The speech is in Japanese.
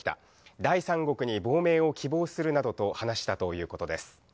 第三国に亡命を希望するなどと話したということです。